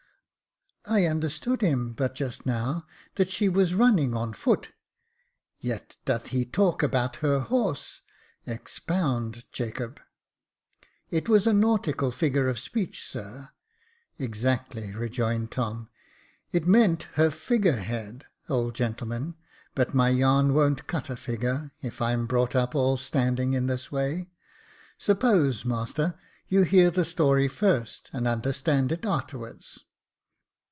I understood him, but just now, that she was running on foot; yet doth he talk about her horse. Expound, Jacob." " It was a nautical figure of speech, sir." " Exactly," rejoined Tom; "it meant her figure head, old gentleman ; but my yarn won't cut a figure, if I'm brought up all standing in this way. Suppose, master, you hear the story first, and understand it a'terwards